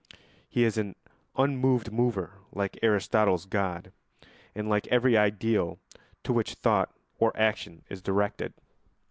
He is an unmoved mover, like Aristotle's God and like every ideal to which thought or action is directed.